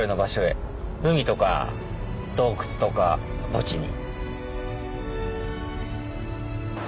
海とか洞窟とか墓地に。